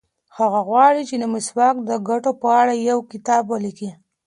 هغه غواړي چې د مسواک د ګټو په اړه یو کتاب ولیکي.